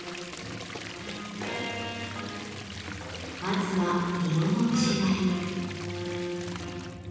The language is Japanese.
まずは色の違い。